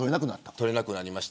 取れなくなりました。